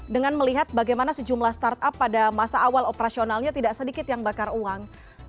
dengan melihat bagaimana sejumlah startup pada masa awal operasionalnya tidak sedikit yang bakar uang